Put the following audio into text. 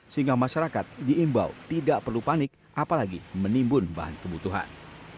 sehingga masyarakat diimbau tidak perlu panik apalagi menimbun bahan kebutuhan